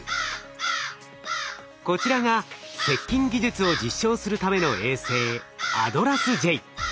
こちらが接近技術を実証するための衛星ＡＤＲＡＳ−Ｊ。